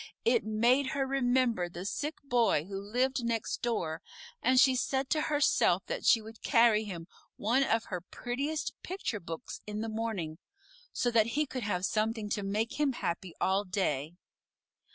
It made her remember the Sick Boy who lived next door, and she said to herself that she would carry him one of her prettiest picture books in the morning, so that he could have something to make him happy all day.